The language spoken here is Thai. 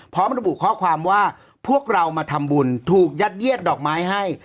พร้อมระบุข้อความว่าพวกเรามาทำบุญถูกยัดเยียดดอกไม้ให้